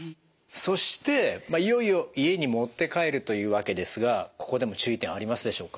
そしていよいよ家に持って帰るというわけですがここでも注意点はありますでしょうか？